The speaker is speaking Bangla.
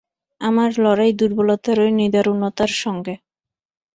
আমার লড়াই দুর্বলতার ঐ নিদারুণতার সঙ্গে।